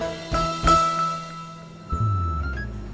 tanya yang banyak